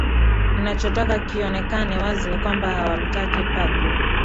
kinachotaka kionekane wazi ni kwamba hawamtaki bagbo